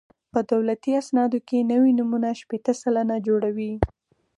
په دولتي اسنادو کې نوي نومونه شپېته سلنه جوړوي